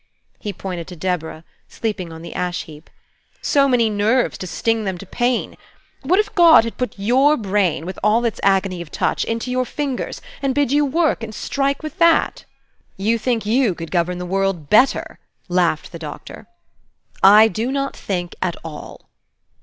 He pointed to Deborah, sleeping on the ash heap. "So many nerves to sting them to pain. What if God had put your brain, with all its agony of touch, into your fingers, and bid you work and strike with that?" "You think you could govern the world better?" laughed the Doctor. "I do not think at all."